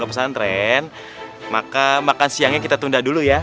pesantren maka makan siangnya kita tunda dulu ya